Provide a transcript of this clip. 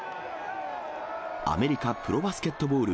アメリカプロバスケットボール